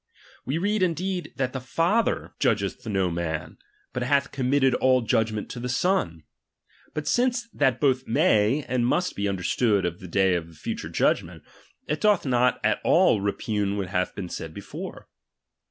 We read indeed, that the Father if Chri.t in this I 260 RELIGION. ].judge(k no man, hut hath commilted all judgment to the Son ; but since that both may, and must be understood of the day of future judgment, it doth not at all repug^i what hath been said before.